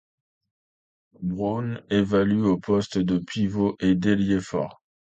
Brown évolue aux postes de pivot et d'ailier fort.